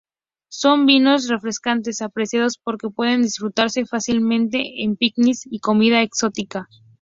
Son vinos refrescantes, apreciados porque pueden disfrutarse fácilmente con picnics y comida exótica.